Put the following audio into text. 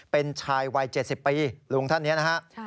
เป็นชายวัย๗๐ปีลุงท่านเนี่ยนะครับ